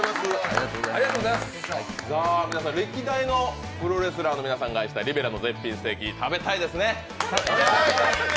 歴代のプロレスラーの皆さんが愛したリベラのステーキ食べたいですね。